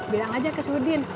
bilang aja ke si udin